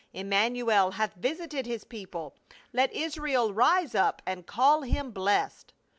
Immanuel hath visited his people, let Israel rise up and call him blessed."